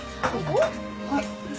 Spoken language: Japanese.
はい。